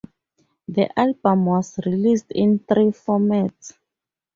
The album was released in three formats.